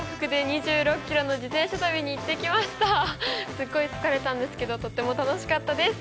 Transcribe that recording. すごい疲れたんですけどとっても楽しかったです！